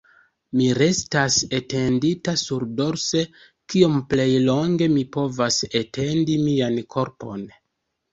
Mi restas etendita surdorse, kiom plej longe mi povas etendi mian korpon.